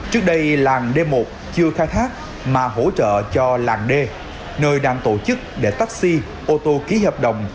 trước đây làng d một chưa khai thác mà hỗ trợ cho làng d nơi đang tổ chức để taxi ô tô ký hợp đồng